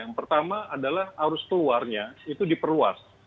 yang pertama adalah arus keluarnya itu diperluas